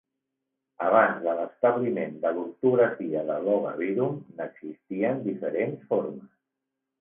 Abans de l'establiment de l'ortografia de 'Logabirum', n'existien diferents formes.